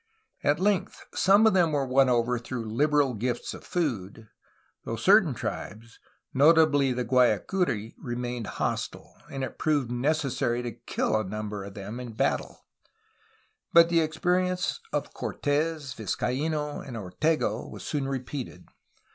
At length some of them were won over through liberal gifts of food, though certain tribes, notably the Guaicuri, remained hostile, and it proved necessary to kill a number of them in battle. But the experience of Cortes, Vizcaino, and Ortega was soon repeated.